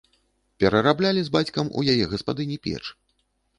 Перараблялі з бацькам у яе гаспадыні печ.